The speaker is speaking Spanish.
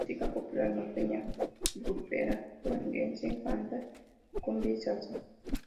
Música popular: norteña, grupera, duranguense, banda, cumbia y salsa.